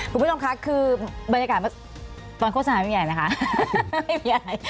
คุณผู้ชมคะคือบรรยากาศตอนโฆษณาไม่มีอะไรนะคะไม่มีอะไร